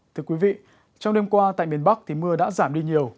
thưa quý vị trong đêm qua tại miền bắc thì mưa đã giảm đi nhiều